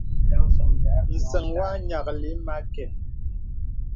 Nsəŋ wɔ nyìaklì mə àkən.